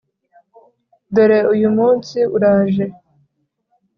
dore uyu munsi uraje.